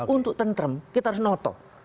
untuk tentrem kita harus noto